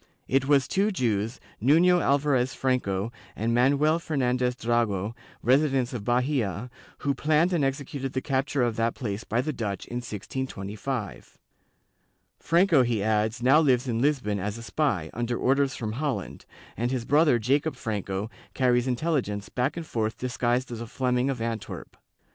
It was two Jews, Nuiio Alvarez Franco and Manuel Fernandez Drago, residents of Bahia, who planned and executed the capture of that place by the Dutch in 1625. Franco, he adds, now lives in Lisbon as a spy, under orders from Holland, and his brother Jacob Franco carries intelligence back and forth disguised as a Fleming of Antwerp.